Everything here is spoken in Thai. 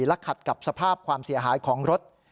และขัดกับสภาพความเสียหายของรถ